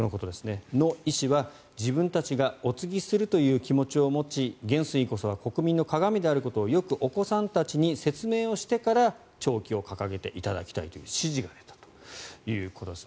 その遺志は自分たちがお継ぎするという気持ちを持ち元帥こそが国民のかがみであることをよくお子さんたちに説明してから掲げていただきたいと指示が出たということです。